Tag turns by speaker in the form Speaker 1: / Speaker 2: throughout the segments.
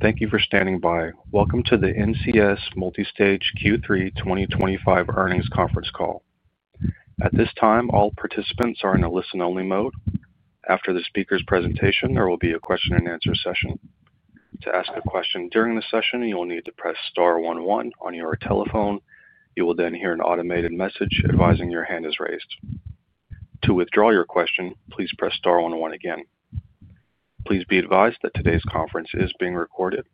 Speaker 1: Thank you for standing by. Welcome to the NCS Multistage Q3 2025 earnings conference call. At this time, all participants are in a listen-only mode. After the speaker's presentation, there will be a question and answer session. To ask a question during the session, you will need to press star 11 on your telephone. You will then hear an automated message advising your hand is raised. To withdraw your question, please press star 101 again. Please be advised that today's conference is being recorded.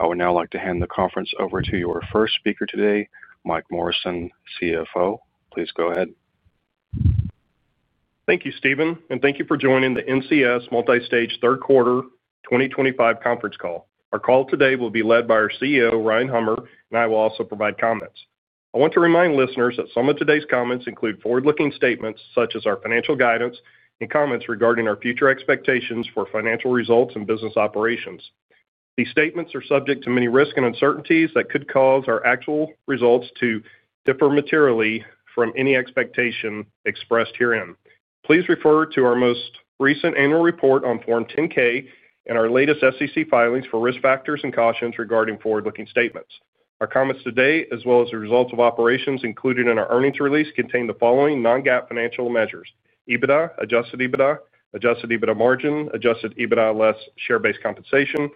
Speaker 1: I would now like to hand the conference over to your first speaker today, Mike Morrison, CFO. Please go ahead.
Speaker 2: Thank you, Stephen, and thank you for joining the NCS Multistage third quarter 2025 conference call. Our call today will be led by. Our CEO Ryan Hummer and I will also provide comments. I want to remind listeners that some of today's comments include forward-looking statements such as our financial guidance and comments regarding our future expectations for financial results and business operations. These statements are subject to many risks and uncertainties that could cause our actual results to differ materially from any expectation expressed herein. Please refer to our most recent Annual Report on Form 10-K and our latest SEC filings for risk factors and cautions regarding forward-looking statements. Our comments today as well as the results of operations included in our earnings release contain the following non-GAAP financial measures: EBITDA, adjusted EBITDA, adjusted EBITDA margin, adjusted EBITDA less share-based compensation,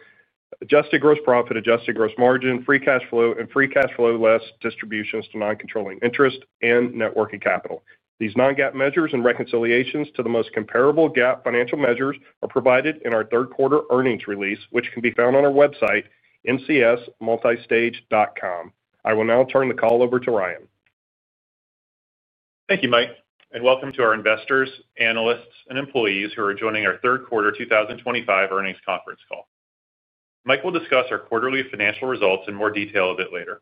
Speaker 2: adjusted gross profit, adjusted gross margin, free cash fcow, and free cash flow less distributions to non-controlling interest and net working capital. These non-GAAP measures and reconciliations to the most comparable GAAP financial measures are provided in our third quarter earnings release which can be found on our website ncsmultistage.com. I will now turn the call over to Ryan.
Speaker 3: Thank you, Mike, and welcome to our investors, analysts, and employees who are joining our third quarter 2025 earnings conference call. Mike will discuss our quarterly financial results in more detail a bit later.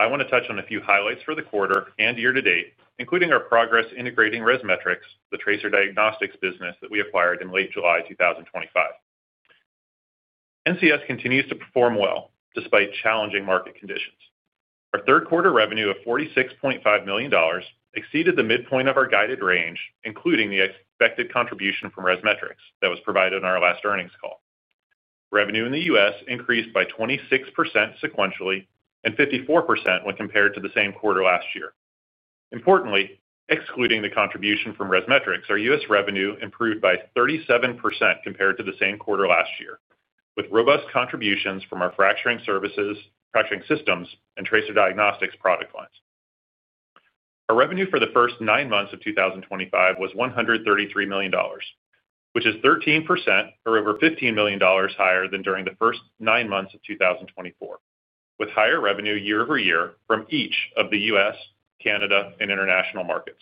Speaker 3: I want to touch on a few highlights for the quarter and year to date, including our progress integrating ResMetrics, the tracer diagnostics business that we acquired in late July 2025. NCS continues to perform well despite challenging market conditions. Our third quarter revenue of $46.5 million exceeded the midpoint of our guided range, including the expected contribution from ResMetrics that was provided on our last earnings call. Revenue in the U.S. increased by 26% sequentially and 54% when compared to the same quarter last year. Importantly, excluding the contribution from ResMetrics, our U.S. revenue improved by 37% compared to the same quarter last year, with robust contributions from our fracturing services, fracturing systems, and tracer diagnostics product lines. Our revenue for the first nine months of 2025 was $133 million, which is 13% or over $15 million higher than during the first nine months of 2024, with higher revenue year-over-year from each of the U.S., Canada, and international markets.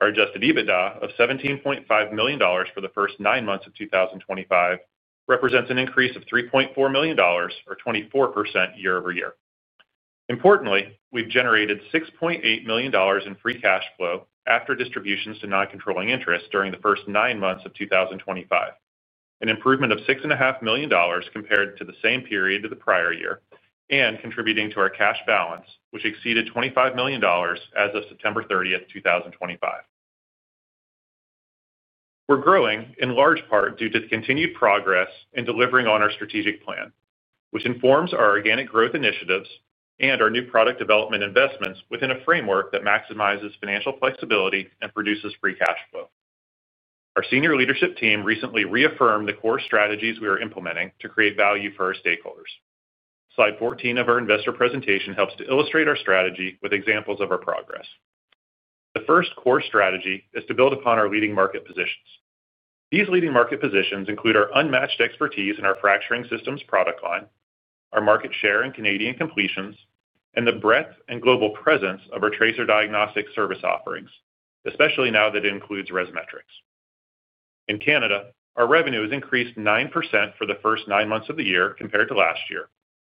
Speaker 3: Our adjusted EBITDA of $17.5 million for the first nine months of 2025 represents an increase of $3.4 million or 24% year-over-year. Importantly, we've generated $6.8 million in free cash flow after distributions to non-controlling interest during the first nine months of 2025, an improvement of $6.5 million compared to the same period of the prior year and contributing to our cash balance, which exceeded $25 million as of September 30, 2025. We're growing in large part due to continued progress in delivering on our strategic plan, which informs our organic growth initiatives and our new product development investments within a framework that maximizes financial flexibility and produces free cash flow. Our senior leadership team recently reaffirmed the core strategies we are implementing to create value for our stakeholders. Slide 14 of our investor presentation helps to illustrate our strategy with examples of our progress. The first core strategy is to build upon our leading market positions. These leading market positions include our unmatched expertise in our fracturing systems product line, our market share in Canadian completions, and the breadth and global presence of our tracer diagnostics service offerings, especially now that it includes ResMetrics. In Canada, our revenue has increased 9% for the first nine months of the year compared to last year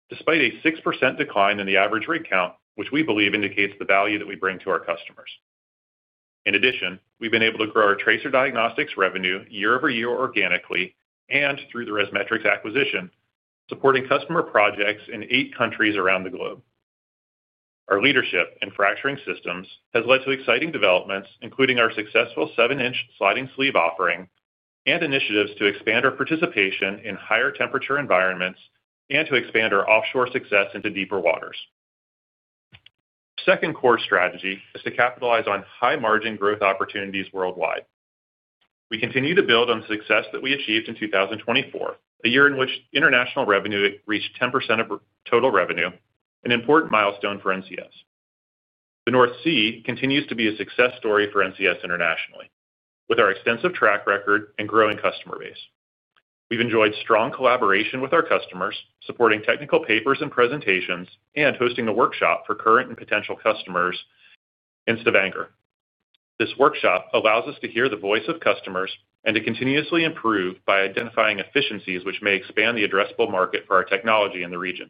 Speaker 3: despite a 6% decline in the average rig count, which we believe indicates the value that we bring to our customers. In addition, we've been able to grow our tracer diagnostics revenue year-over-year organically and through the ResMetrics acquisition, supporting customer projects in eight countries around the globe. Our leadership in fracturing systems has led to exciting developments including our successful 7 inch sliding sleeve offering and initiatives to expand our participation in higher temperature environments and to expand our offshore success into deeper waters. The second core strategy is to capitalize on high margin growth opportunities worldwide. We continue to build on the success that we achieved in 2024, a year in which international revenue reached 10% of total revenue, an important milestone for NCS. The North Sea continues to be a success story for NCS internationally. With our extensive track record and growing customer base, we've enjoyed strong collaboration with our customers, supporting technical papers and presentations and hosting a workshop for current and potential customers in Stavanger. This workshop allows us to hear the voice of customers and to continuously improve by identifying efficiencies which may expand the addressable market for our technology in the region.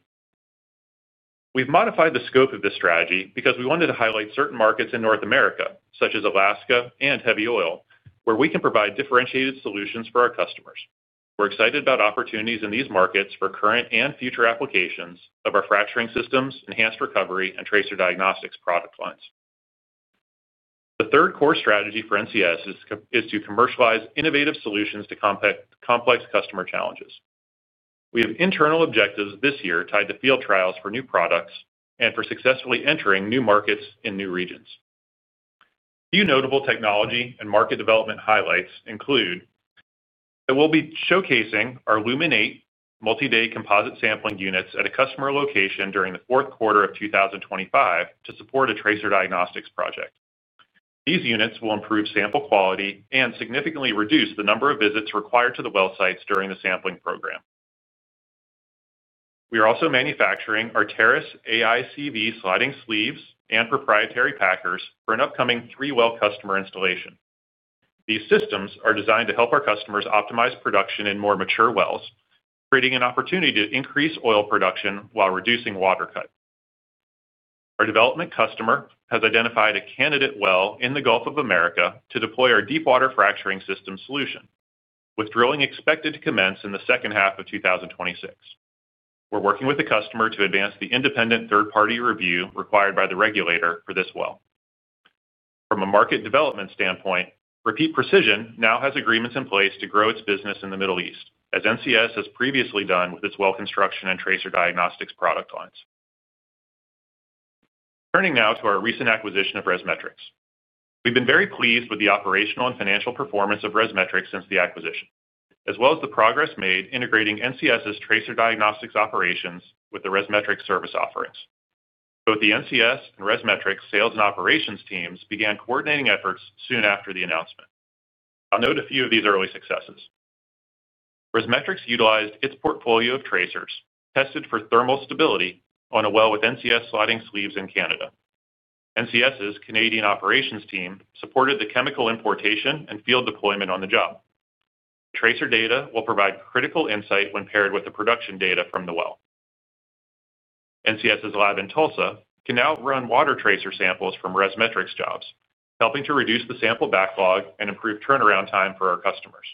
Speaker 3: We've modified the scope of this strategy because we wanted to highlight certain markets in North America, such as Alaska and heavy oil, where we can provide differentiated solutions for our customers. We're excited about opportunities in these markets for current and future applications of our fracturing systems, enhanced recovery and tracer diagnostics product lines. The third core strategy for NCS is to commercialize innovative solutions to complex customer challenges. We have internal objectives this year tied to field trials for new products and for successfully entering new markets in new regions. Few notable technology and market development highlights include that we'll be showcasing our Lumen8 multi-day automated sampler units at a customer location during the fourth quarter of 2025 to support a tracer diagnostics project. These units will improve sample quality and significantly reduce the number of visits required to the well sites during the sampling program. We are also manufacturing our Terrus AICV sliding sleeves and Proprietary Packers for an upcoming three-well customer installation. These systems are designed to help our customers optimize production in more mature wells, creating an opportunity to increase oil production while reducing water cut. Our development customer has identified a candidate well in the Gulf of America to deploy our deepwater fracturing system solution. With drilling expected to commence in the second half of 2026, we're working with the customer to advance the independent third-party review required by the regulator for this well. From a market development standpoint, Repeat Precision now has agreements in place to grow its business in the Middle East as NCS has previously done with its well construction products and tracer diagnostics product lines. Turning now to our recent acquisition of ResMetrics, we've been very pleased with the operational and financial performance of ResMetrics since the acquisition, as well as the progress made integrating NCS's tracer diagnostics operations with the ResMetrics service offerings. Both the NCS and ResMetrics sales and operations teams began coordinating efforts soon after the announcement. I'll note a few of these early successes. ResMetrics utilized its portfolio of tracers tested for thermal stability on a well with NCS sliding sleeves in Canada. NCS's Canadian operations team supported the chemical importation and field deployment on the job. Tracer data will provide critical insight when paired with the production data from the well. NCS's lab in Tulsa can now run water tracer samples from ResMetrics jobs, helping to reduce the sample backlog and improve turnaround time for our customers.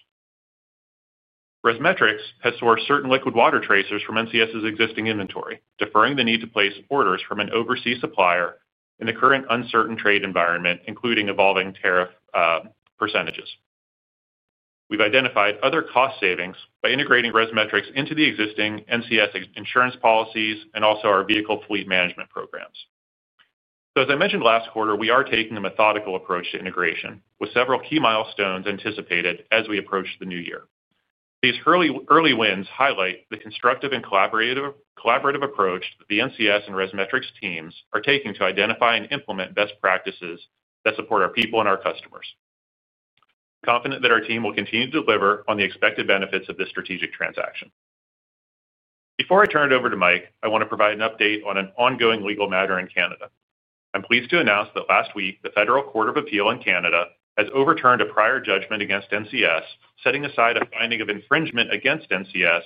Speaker 3: ResMetrics has sourced certain liquid water tracers from NCS's existing inventory, deferring the need to place orders from an overseas supplier. In the current uncertain trade environment, including evolving tariffs %, we've identified other cost savings by integrating ResMetrics into the existing NCS insurance policies and also our vehicle fleet management programs. As I mentioned last quarter, we are taking a methodical approach to integration with several key milestones anticipated as we approach the New Year. These early wins highlight the constructive and collaborative approach that the NCS and ResMetrics teams are taking to identify and implement best practices that support our people and our customers. I'm confident that our team will continue to deliver on the expected benefits of this strategic transaction. Before I turn it over to Mike, I want to provide an update on an ongoing legal matter in Canada. I'm pleased to announce that last week the Federal Court of Appeal in Canada has overturned a prior judgment against NCS, setting aside a finding of infringement against NCS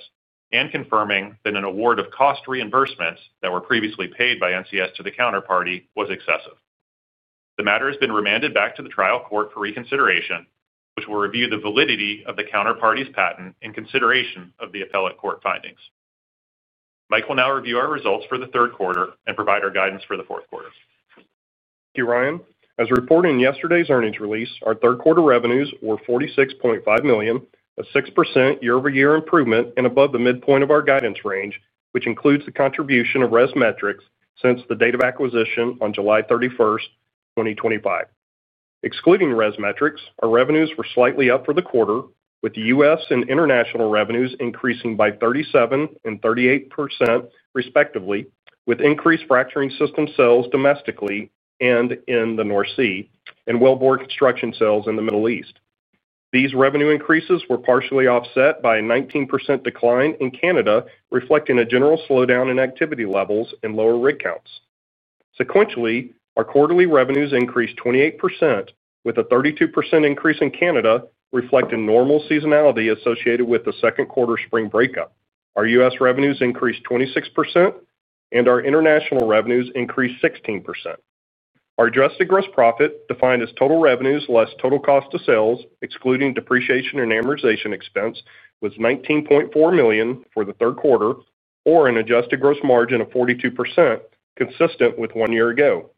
Speaker 3: and confirming that an award of cost reimbursements that were previously paid by NCS to the counterparty was excessive. The matter has been remanded back to the trial court for reconsideration, which will review the validity of the counterparty's patent in consideration of the appellate court findings. Mike will now review our results for the third quarter and provide our guidance for the fourth quarter.
Speaker 2: Thank you, Ryan. As reported in yesterday's earnings release, our third quarter revenues were $46.5 million, a 6% year-over-year improvement and above the midpoint of our guidance range, which includes the contribution of ResMetrics since the date of acquisition on July 31, 2025. Excluding ResMetrics, our revenues were slightly up for the quarter, with U.S. and international revenues increasing by 37% and 38% respectively, with increased fracturing system sales domestically and in the North Sea and well construction sales in the Middle East. These revenue increases were partially offset by a 19% decline in Canada, reflecting a general slowdown in activity levels and lower rig counts. Sequentially, our quarterly revenues increased 28%, with a 32% increase in Canada, reflecting normal seasonality associated with the second quarter spring breakup. Our U.S. revenues increased 26% and our international revenues increased 16%. Our adjusted gross profit, defined as total revenues less total cost of sales excluding depreciation and amortization expense, was $19.4 million for the third quarter or an adjusted gross margin of 42%, consistent with one year ago.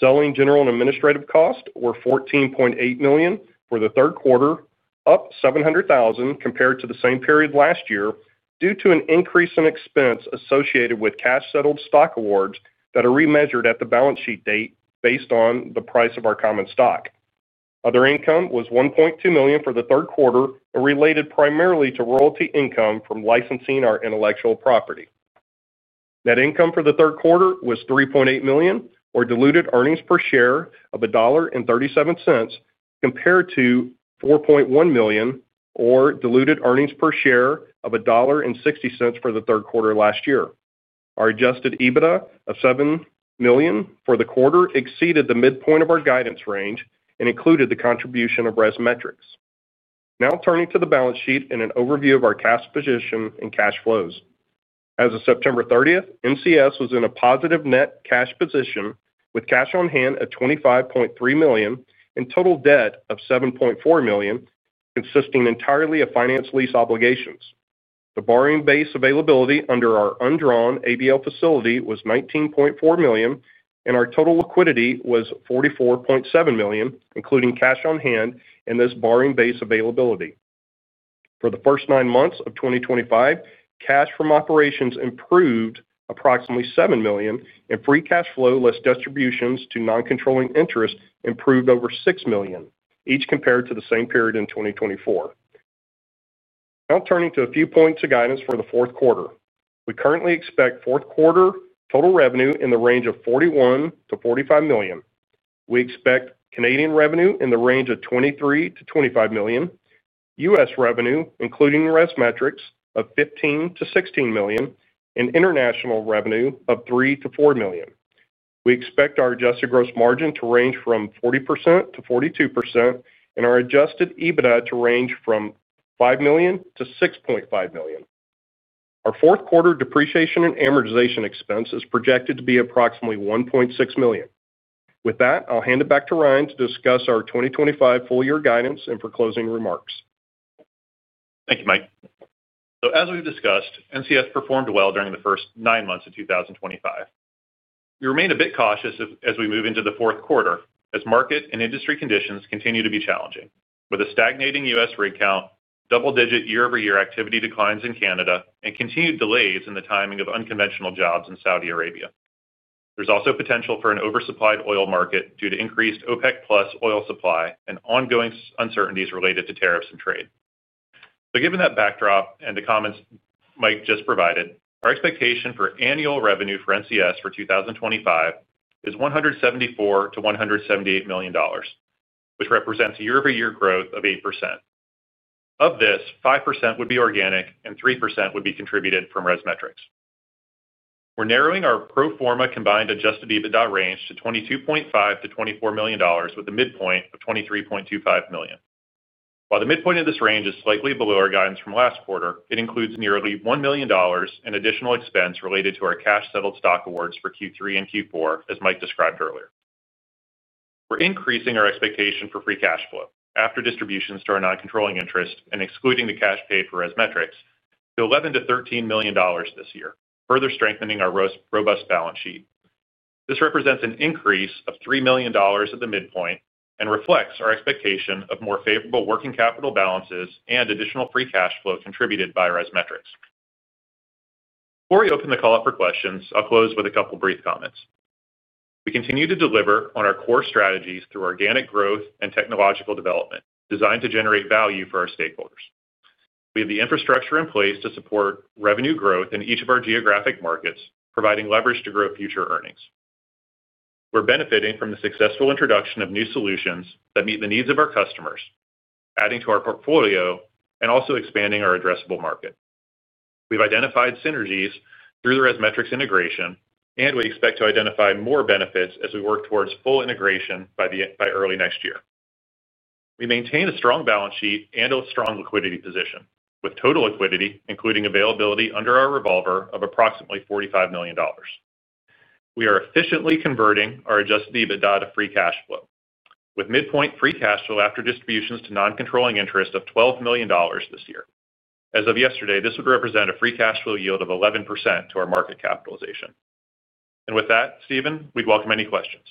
Speaker 2: Selling, general and administrative costs were $14.8 million for the third quarter, up $700,000 compared to the same period last year due to an increase in expense associated with cash-settled stock awards that are remeasured at the balance sheet date based on the price of our common stock. Other income was $1.2 million for the third quarter and related primarily to royalty income from licensing our intellectual property. Net income for the third quarter was $3.8 million or diluted earnings per share of $1.37 compared to $4.1 million or diluted earnings per share of $1.60 for the third quarter last year. Our adjusted EBITDA of $7 million for the quarter exceeded the midpoint of our guidance range and included the contribution of ResMetrics. Now turning to the balance sheet and an overview of our cash position and cash flows. As of September 30, NCS was in a positive net cash position with cash on hand at $25.3 million and total debt of $7.4 million, consisting entirely of finance lease obligations. The borrowing base availability under our undrawn ABL facility was $19.4 million and our total liquidity was $44.7 million including cash on hand and this borrowing base availability. For the first nine months of 2025, cash from operations improved approximately $7 million and free cash flow less distributions to non-controlling interest improved over $6 million each compared to the same period in 2024. Now turning to a few points to guidance for the fourth quarter, we currently expect fourth quarter total revenue in the range of $41 million-$45 million. We expect Canadian revenue in the range of `$23 million-$25 million, U.S. revenue including ResMetrics of $15 million-$16 million, and international revenue of $3 million-$4 million. We expect our adjusted gross margin to range from 40%-42% and our adjusted EBITDA to range from $5 million-$6.5 million. Our fourth quarter depreciation and amortization expense is projected to be approximately $1.6 million. With that, I'll hand it back to Ryan to discuss our 2025 full year guidance and for closing remarks.
Speaker 3: Thank you, Mike. As we've discussed, NCS performed well during the first nine months of 2025. We remain a bit cautious as we move into the fourth quarter as market and industry conditions continue to be challenging with a stagnating U.S. rig count, double-digit year-over-year activity declines in Canada, and continued delays in the timing of unconventional jobs in Saudi Arabia. There is also potential for an oversupplied oil market due to increased OPEC+ oil supply and ongoing uncertainties related to tariffs and trade. Given that backdrop and the comments Mike just provided, our expectation for annual revenue for NCS for 2025 is $174 million-$178 million, which represents year-over-year growth of 8%. Of this, 5% would be organic and 3% would be contributed from ResMetrics. We're narrowing our pro forma combined adjusted EBITDA range to $22.5 million-$24 million with a midpoint of $23.25 million. While the midpoint of this range is slightly below our guidance from last quarter, it includes nearly $1 million in additional expense related to our cash-settled stock awards for Q3 and Q4. As Mike described earlier, we're increasing our expectation for free cash flow after distributions to our non-controlling interest and excluding the cash paid for ResMetrics to $11 million-$13 million this year, further strengthening our robust balance sheet. This represents an increase of $3 million at the midpoint and reflects our expectation of more favorable working capital balances and additional free cash flow contributed by ResMetrics. Before we open the call up for questions, I'll close with a couple brief comments. We continue to deliver on our core strategies through organic growth and technological development designed to generate value for our stakeholders. We have the infrastructure in place to support revenue growth in each of our geographic markets, providing leverage to grow future earnings. We're benefiting from the successful introduction of new solutions that meet the needs of our customers, adding to our portfolio and also expanding our addressable market. We've identified synergies through the ResMetrics integration and we expect to identify more benefits as we work towards full integration by early next year. We maintain a strong balance sheet and a strong liquidity position with total liquidity including availability under our revolver of approximately $45 million. We are efficiently converting our adjusted EBITDA to free cash flow with midpoint free cash flow after distributions to non-controlling interest of $12 million this year. As of yesterday, this would represent a free cash flow yield of 11% to our market capitalization and with that, Stephen, we'd welcome any questions.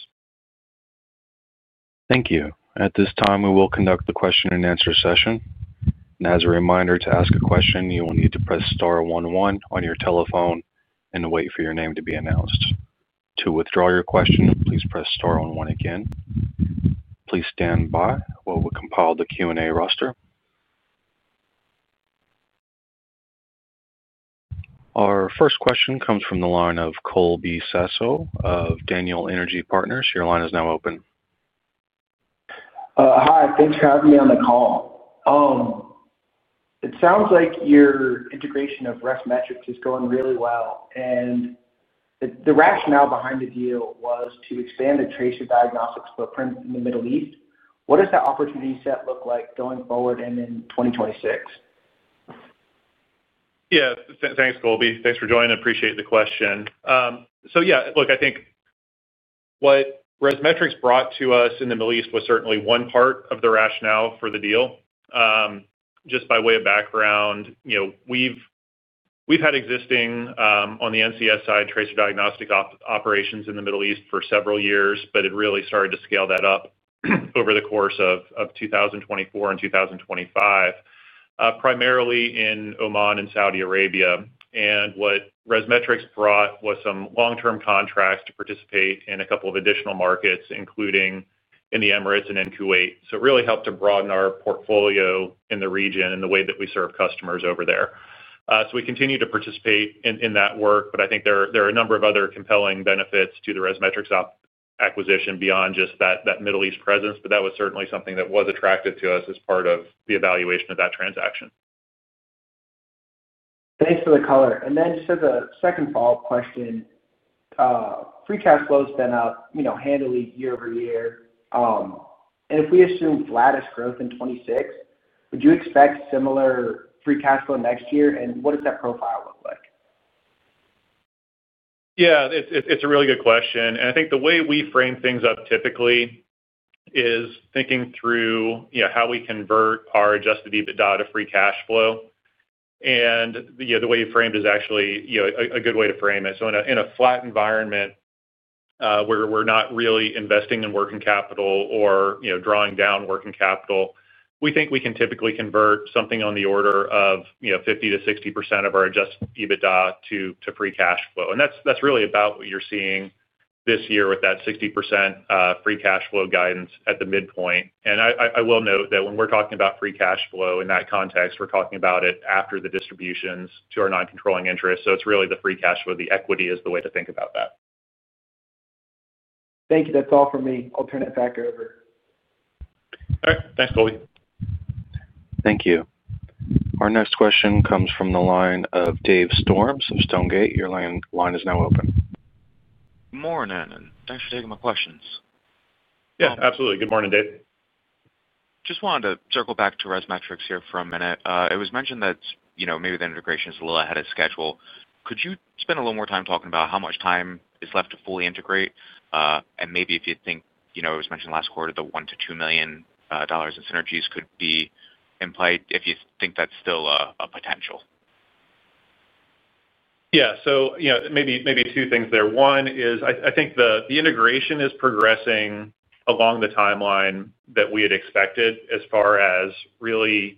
Speaker 1: Thank you. At this time, we will conduct the question and answer session. As a reminder, to ask a question, you will need to press Star 1 1 on your telephone and wait for your. Name to be announced. To withdraw your question, please press star 11 again. Please stand by while we compile the Q and A roster. Our first question comes from the line of Colby Sasso of Daniel Energy Partners, your line is now open.
Speaker 4: Hi. Thanks for having me on the call. It sounds like your integration of ResMetrics is going really well. The rationale behind the deal was to expand the tracer diagnostics footprint in the Middle East. What does that opportunity set look like going forward and in 2026?
Speaker 3: Yeah, thanks, Colby. Thanks for joining. Appreciate the question. Yeah, look, I think what ResMetrics. Brought to us in the Middle East was certainly one part of the rationale for the deal. Just by way of background, you know, we've had existing on the NCS side, tracer diagnostics operations in the Middle East for several years, but it really started to scale that up over the course of 2024 and 2025, primarily in Oman and Saudi Arabia. What ResMetrics brought was some long term contracts to participate in a couple of additional markets, including in the Emirates and in Kuwait. It really helped to broaden our portfolio in the region and the way that we serve customers over there. We continue to participate in that work. I think there are a number of other compelling benefits to the ResMetrics acquisition beyond just that Middle East presence. That was certainly something that was attractive to us as part of the evaluation of that transaction.
Speaker 4: Thanks for the color. The second follow up question, free cash flow has been out, you know, handily, year-over-year. If we assume flattish growth in 2026, would you expect similar free cash flow next year? What does that profile look like?
Speaker 3: Yeah, it's a really good question. I think the way we frame things up typically is thinking through how we convert our adjusted EBITDA to free cash flow. The way you framed it is actually a good way to frame it. In a flat environment where we're not really investing in working capital or drawing down working capital, we think we can typically convert something on the order of 50%-60% of our adjusted EBITDA to free cash flow. That's really about what you're seeing this year with that 60% free cash flow guidance at the midpoint. I will note that when we're talking about free cash flow in that context, we're talking about it after the distributions to our non-controlling interest. It's really the free cash flow, the equity is the way to think about that.
Speaker 4: Thank you. That's all for me. I'll turn it back over.
Speaker 3: All right, thanks, Colby.
Speaker 1: Thank you. Our next question comes from the line of Dave Storms of Stonegate, your line is now open.
Speaker 5: Good morning. Thanks for taking my questions.
Speaker 3: Yeah, absolutely. Good morning, Dave.
Speaker 5: Just wanted to circle back to ResMetrics here for a minute. It was mentioned that, you know, maybe the integration is a little ahead of schedule. Could you spend a little more time talking about how much time is left to fully integrate, and maybe if you'd think, you know, it was mentioned last quarter the $1 million-$2 million in synergies could be in play, if you think that's still a potential.
Speaker 3: Yeah. Maybe two things there. One is I think the integration is progressing along the timeline that we had expected as far as really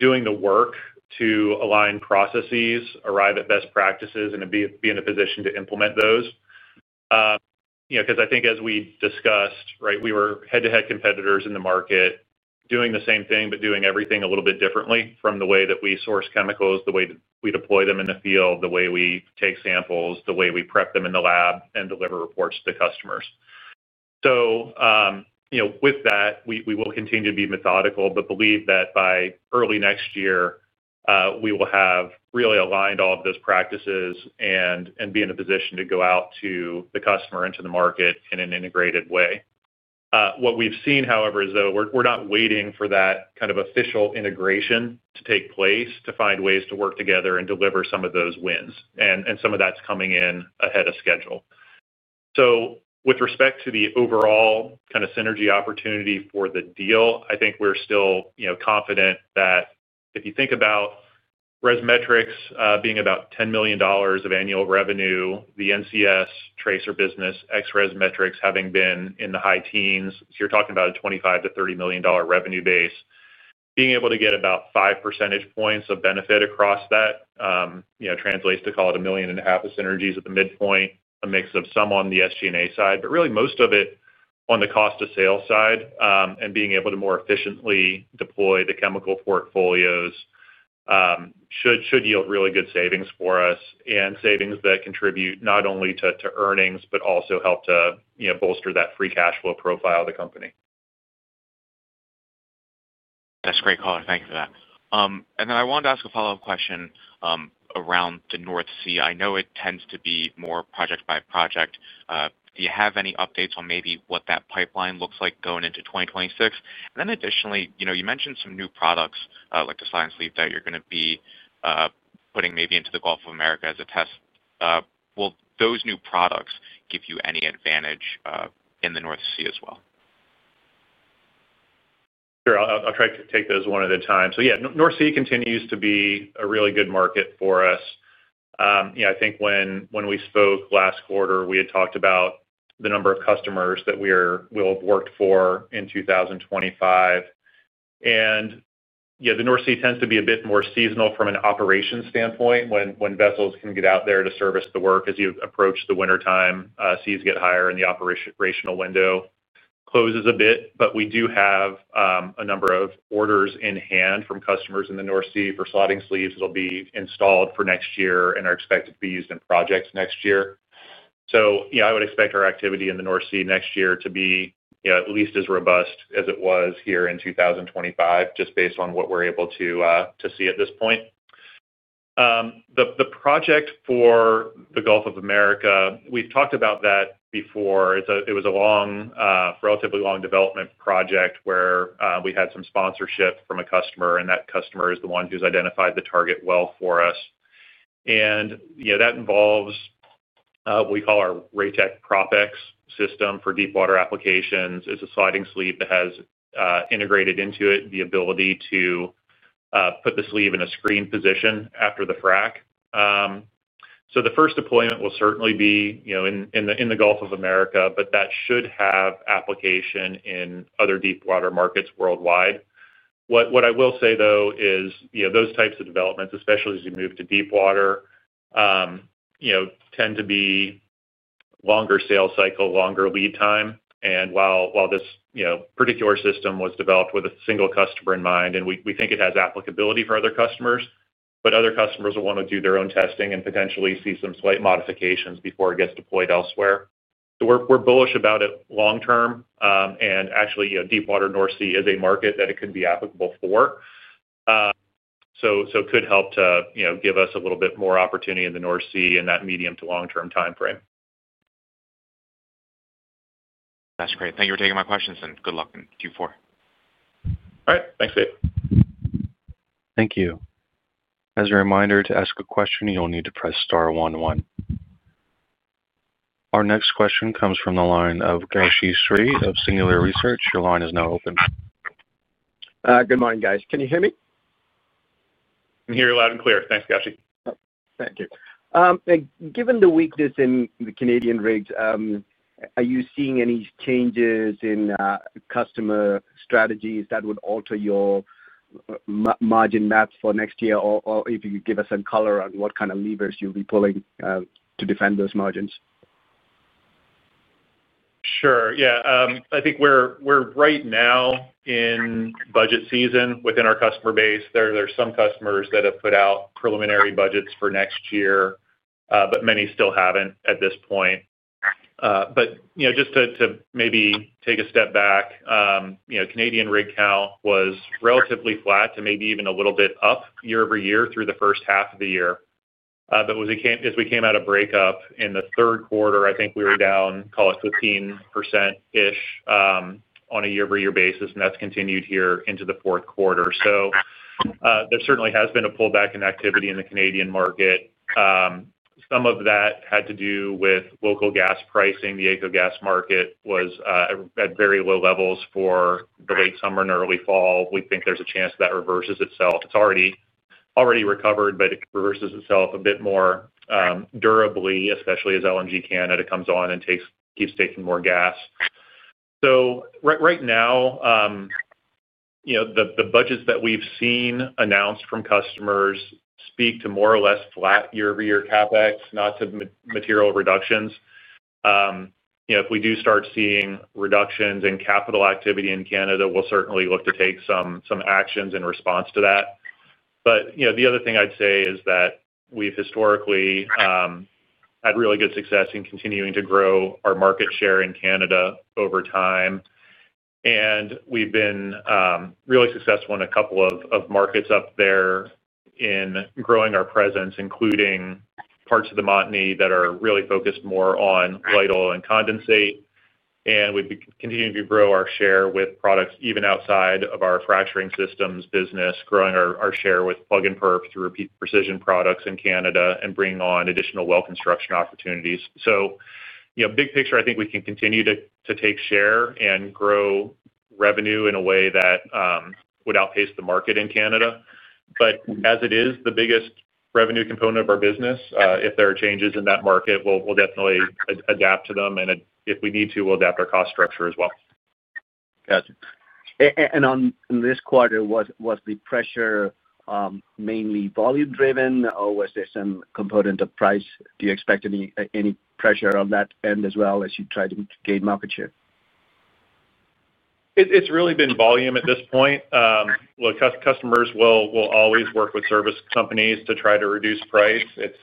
Speaker 3: doing the work to align processes, arrive at best practices, and be in a position to implement those. I think as we discussed, we were head-to-head competitors in the market doing the same thing, but doing everything a little bit differently from the way that we source chemicals, the way that we deploy them in the field, the way we take samples, the way we prep them in the lab, and deliver reports to customers. With that, we will continue to be methodical, but believe that by early next year we will have really aligned all of those practices and be in a position to go out to the customer and into the market in an integrated way. What we've seen, however, is we're not waiting for that kind of official integration to take place to find ways to work together and deliver some of those wins, and some of that's coming in ahead of schedule. With respect to the overall kind of synergy opportunity for the deal, I think we're still confident that if you think about ResMetrics being about $10 million of annual revenue, the NCS tracer business, ex-ResMetrics, having been in the high teens, you're talking about a $25 million-$30 million revenue base. Being able to get about 5% of benefit across that translates to, call it, $1.5 million of synergies at the midpoint. A mix of some on the SG&A side, but really most of it on the cost of sales side. Being able to more efficiently deploy the chemical portfolios should yield really good savings for us and savings that contribute not only to earnings, but also help to bolster that free cash flow profile of the company.
Speaker 5: That's a great caller. Thank you for that. I wanted to ask a follow up question. Around the North Sea, I know it tends to be more project by project. Do you have any updates on maybe what that pipeline looks like going into 2026? Additionally, you mentioned some new products like the science leap that you're going to be putting maybe into the Gulf of America as a test. Will those new products give you any advantage in the North Sea as well?
Speaker 3: Sure, I'll try to take those one at a time. Yeah, North Sea continues to be a really good market for us. I think when we spoke last quarter, we had talked about the number of customers that we'll have worked for in 2025. The North Sea tends to be a bit more seasonal from an operations standpoint, when vessels can get out there to service the work as you approach the wintertime, seas get higher and the operation window closes a bit. We do have a number of orders in hand from customers in the North Sea for slotting sleeves that will be installed for next year and are expected to be used in projects next year. I would expect our activity in the North Sea next year to be at least as robust as it was here in 2025, just based on what we're able to see at this point. The project for the Gulf of America, we've talked about that before. It was a relatively long development project where we had some sponsorship from a customer and that customer is the one who's identified the target well for us. That involves what we call our Ratek Proppex system for deepwater applications. It's a sliding sleeve that has integrated into it the ability to put the sleeve in a screen position after the frac. The first deployment will certainly be in the Gulf of America, but that should have application in other deepwater markets worldwide. What I will say though is those types of developments, especially as you move to deepwater, tend to be longer sales cycle, longer lead time. While this particular system was developed with a single customer in mind, we think it has applicability for other customers, but other customers will want to do their own testing and potentially see some slight modifications before it gets deployed elsewhere. We're bullish about it long term and actually, deepwater North Sea is a market that it can be applicable for, so it could help to give us a little bit more opportunity in the North Sea in that medium to long term timeframe.
Speaker 5: That's great. Thank you for taking my questions, and good luck in Q4.
Speaker 3: All right, thanks, Dave.
Speaker 1: Thank you. As a reminder to ask a question, you'll need to press Star one one. Our next question comes from the line of Gowshi Sri of Singular Research. Your line is now open.
Speaker 6: Good morning, guys. Can you hear me?
Speaker 3: Can hear you loud and clear. Thanks, Gowshi. Thank you.
Speaker 6: Given the weakness in the Canadian rigs, are you seeing any changes in customer strategies that would alter your margin maps for next year, or if you could give us some color on what kind of levers you'll be pulling to defend those margins?
Speaker 3: Sure, yeah. I think we're right now in budget season within our customer base. There's some customers that have put out preliminary budgets for next year, but many still haven't at this point. Just to maybe take a step back, Canadian rig count was relatively flat to maybe even a little bit up year-over-year through the first half of the year. As we came out of breakup in the third quarter, I think we were down, call it 15% ish on a year-over-year basis, and that's continued here into the fourth quarter. There certainly has been a pullback in activity in the Canadian market. Some of that had to do with local gas pricing. The AECO gas market was at very low levels for the late summer and early fall. We think there's a chance that reverses itself. It's already recovered, but if it reverses itself a bit more durably, especially as LNG Canada comes on and keeps taking more gas. Right now, the budgets that we've seen announced from customers speak to more or less flat year- over-year CapEx, not to material reductions. If we do start seeing reductions in capital activity in Canada, we'll certainly look to take some actions in response to that. The other thing I'd say is that we've historically had really good success in continuing to grow our market share in Canada over time. We've been really successful in a couple of markets up there in growing our presence, including parts of the Montney that are really focused more on light oil and condensate. We'd be continuing to grow our share with products even outside of our fracturing systems business, growing our share with plug and perf through Repeat Precision products in Canada and bringing on additional well construction opportunities. Big picture, I think we can continue to take share and grow revenue in a way that would outpace the market in Canada. As it is the biggest revenue component of our business, if there are changes in that market, we'll definitely adapt to them. If we need to, we'll adapt our cost structure as well.
Speaker 6: Gotcha. Was the pressure this quarter mainly volume driven, or was there some component of price? Do you expect any pressure on that end as you try to gain market share?
Speaker 3: It's really been volume at this point. Customers will always work with service companies to try to reduce price. It's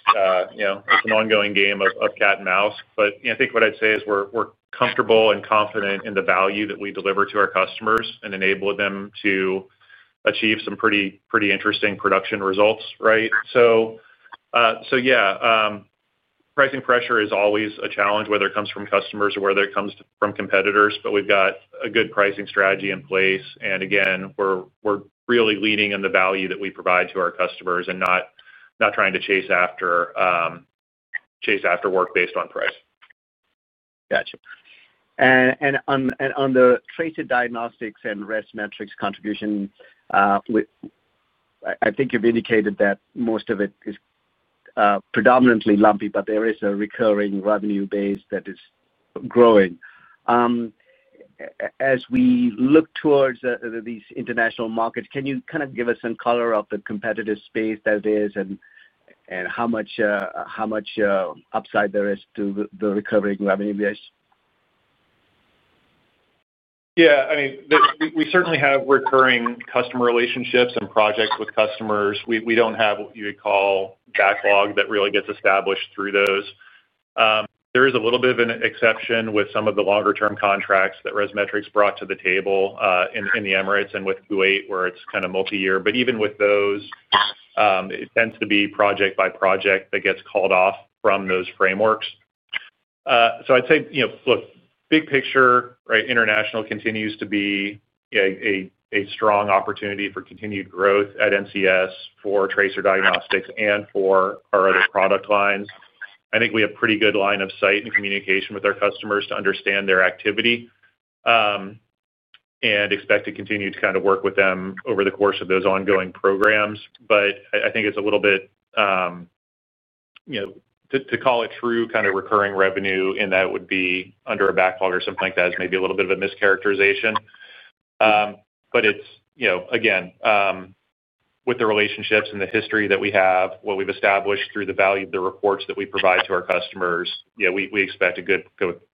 Speaker 3: an ongoing game of cat and mouse. I think what I'd say is we're comfortable and confident in the value that we deliver to our customers and enable them to achieve some pretty interesting production results. Pricing pressure is always a challenge, whether it comes from customers or whether it comes from competitors. We've got a good pricing strategy in place and again, we're really leaning in the value that we provide to our customers and not trying to. Chase. After work based on price.
Speaker 6: Gotcha. On the tracer diagnostics and ResMetrics contribution, I think you've indicated that most of it is predominantly lumpy, but there is a recurring revenue base. That is growing. As we look towards these international markets, can you kind of give us some color of the competitive space that it. Is and. How much upside there is to the recovery in revenue base?
Speaker 3: Yeah, I mean, we certainly have recurring customer relationships and projects with customers. We don't have what you would call backlog that really gets established through those. There is a little bit of an exception with some of the longer term contracts that ResMetrics brought to the table in the Emirates and with Kuwait where it's kind of multi-year. Even with those, it tends to be project by project that gets called off from those frameworks. I'd say, look, big picture, international continues to be a strong opportunity for continued growth at NCS for tracer diagnostics and for our other product lines. I think we have pretty good line of sight and communication with our customers to understand their activity and expect to continue to kind of work with them over the course of those ongoing programs. I think it's a little bit, you know, to call it true kind of recurring revenue and that would be under a backlog or something like that is maybe a little bit of a mischaracterization. It's, you know, again with the relationships and the history that we have, what we've established through the value of the reports that we provide to our customers. Yeah, we expect a good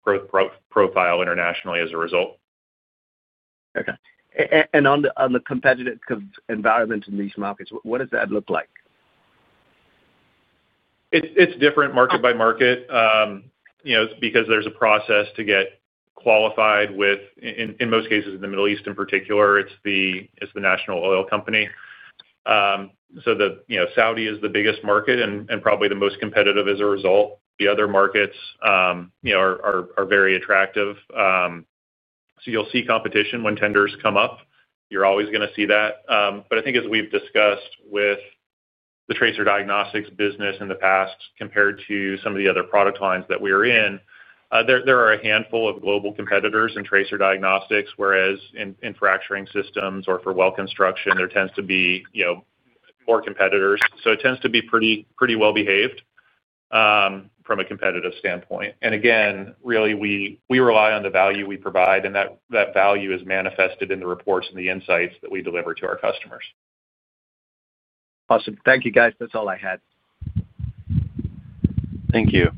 Speaker 3: growth profile internationally as a result. Okay.
Speaker 6: On the competitive environment in these markets, what does that look like?
Speaker 3: It's different market by market, you know, because there's a process to get qualified with in most cases in the Middle East in particular, it's the National Oil Company. Saudi is the biggest market and probably the most competitive. As a result, the other markets are very attractive. You'll see competition when tenders come up. You're always going to see that. I think as we've discussed with the tracer diagnostics business in the past, compared to some of the other product lines that we're in, there are a handful of global competitors in tracer diagnostics, whereas in fracturing systems or for well construction, there tends to be more competitors. It tends to be pretty, pretty well behaved from a competitive standpoint. Really, we rely on the value we provide and that value is manifested in the reports and the insights that we deliver to our customers. Awesome.
Speaker 6: Thank you, guys. That's all I had.
Speaker 1: Thank you.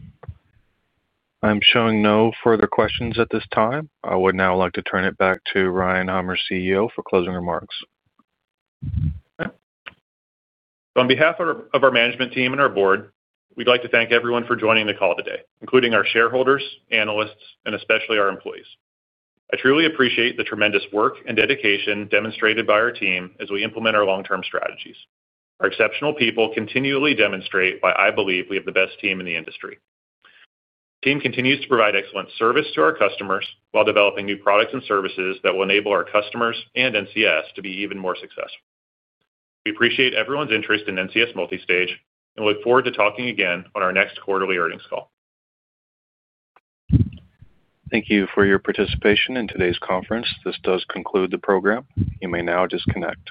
Speaker 1: I'm showing no further questions at this time. I would now like to turn it back to Ryan Hummer, CEO, for closing remarks.
Speaker 3: On behalf of our management team and our board, we'd like to thank everyone for joining the call today, including our shareholders, analysts, and especially our employees. I truly appreciate the tremendous work and dedication demonstrated by our team as we implement our long-term strategies. Our exceptional people continually demonstrate why I believe we have the best team in the industry. The team continues to provide excellent service to our customers while developing new products and services that will enable our customers and NCS to be even more successful. We appreciate everyone's interest in NCS Multistage and look forward to talking again on our next quarterly earnings call.
Speaker 1: Thank you for your participation in today's conference. This does conclude the program. You may now disconnect.